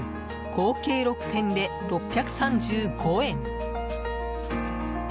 合計６点で６３５円。